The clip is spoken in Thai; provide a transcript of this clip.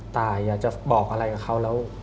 ตายอยากจะบอกอะไรกับเขาแล้ว